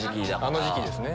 あの時期ですね。